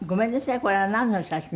これはなんの写真？